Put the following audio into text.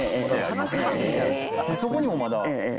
そこにもまだ。